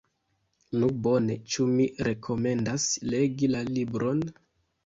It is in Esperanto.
Nu bone, ĉu mi rekomendas legi la libron?